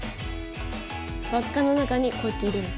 わっかの中にこうやって入れるの。